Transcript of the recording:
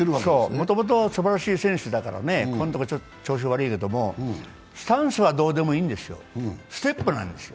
もともとすばらしい選手だからね、ここんとこ調子悪いけどもスタンスはどうでもいいんですよ、ステップなんですよ。